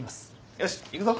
よし行くぞ！